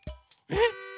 えっ？